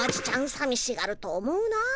さみしがると思うな。